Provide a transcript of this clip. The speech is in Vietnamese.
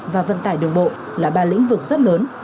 và vận tải đường bộ là ba lĩnh vực rất lớn